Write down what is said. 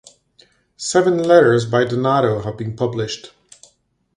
Seven letters by Donato have been published.